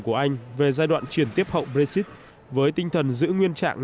của anh về giai đoạn chuyển tiếp hậu brexit với tinh thần giữ nguyên trạng